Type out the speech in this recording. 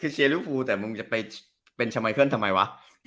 เชียร์ลูกภูมิแต่มึงจะไปเป็นชมัยเคลื่อนทำไมวะ